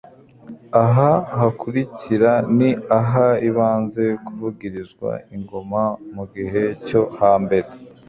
Aha hakurikira ni ahaibanze kuvugirizwa ingoma mu bihe byo ha mbere.